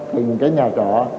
từng cái nhà trọ